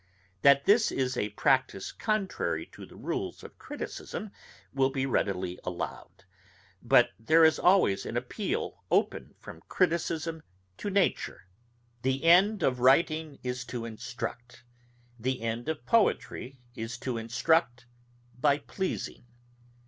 That this is a practice contrary to the rules of criticism will be readily allowed; but there is always an appeal open from criticism to nature. The end of writing is to instruct; the end of poetry is to instruct by pleasing.